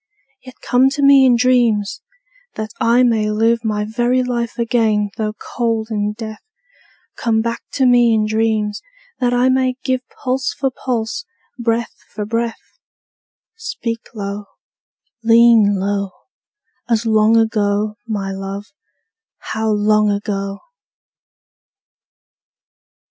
Yet come to me in dreams, that I may live My very life again though cold in death: Come back to me in dreams, that I may give Pulse for pulse, breath for breath: Speak low, lean low, As long ago, my love, how long ago!